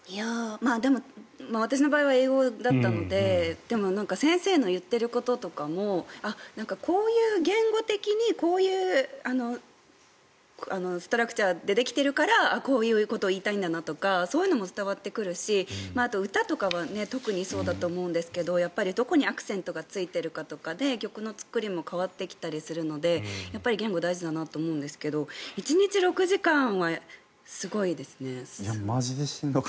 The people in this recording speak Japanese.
でも、私の場合は英語だったのででも先生の言っていることとかも言語的にこういうストラクチャーでできているからこういうことを言いたいんだなというそういうことも伝わってくるしあと、歌とかは特にそうだと思うんですけどどこにアクセントがついているかとかで曲の作りも変わってきたりするのでやっぱり言語は大事だなと思うんですけど１日６時間はすごいですね。